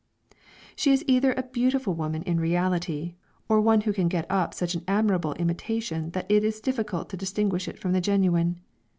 She is either a beautiful woman in reality, or one who can get up such an admirable imitation that it is difficult to distinguish it from the genuine.